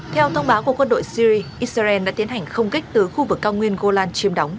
theo thông báo của quân đội syri israel đã tiến hành không kích từ khu vực cao nguyên golan chiêm đóng